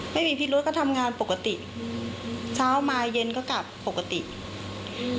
ไม่มีพิรุษก็ทำงานปกติอืมเช้ามาเย็นก็กลับปกติอืม